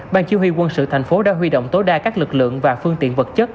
ban chủ y huy quân sự tp hcm đã huy động tối đa các lực lượng và phương tiện vật chất